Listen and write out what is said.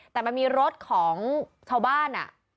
แต่มันมีรถของชาวบ้าน